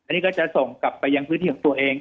อันนี้ก็จะส่งกลับไปยังพื้นที่ของตัวเอง